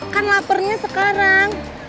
kan laparnya sekarang